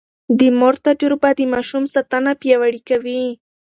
د مور تجربه د ماشوم ساتنه پياوړې کوي.